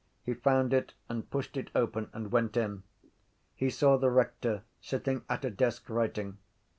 He found it and pushed it open and went in. He saw the rector sitting at a desk writing.